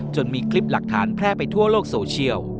มีคลิปหลักฐานแพร่ไปทั่วโลกโซเชียล